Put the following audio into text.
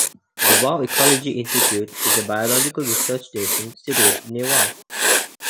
The Wau Ecology Institute is a biological research station situated near Wau.